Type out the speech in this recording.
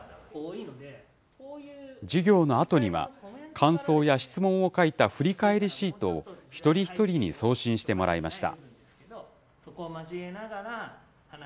授業のあとには、感想や質問を書いた振り返りシートを、一人一人に送信してもらいました。